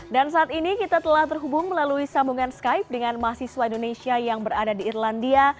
dan saat ini kita telah terhubung melalui sambungan skype dengan mahasiswa indonesia yang berada di irlandia